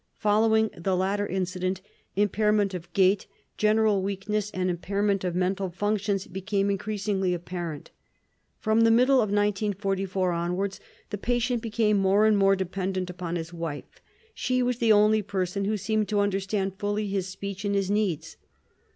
Following the latter incident, impairment of gait, general weakness, and impairment of mental functions became increasingly apparent. From the middle of 1944 onwards, the patient became more and more dependent upon his wife; she was the only person who seemed to understand fully his speech and his needs.